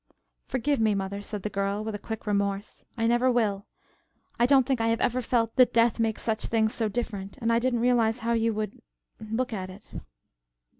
"Forgive me, mother," said the girl with quick remorse. "I never will. I don't think I have ever felt that death makes such things so different, and I didn't realize how you would look at it."